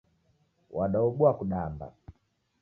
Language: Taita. Wadaobua kudamba.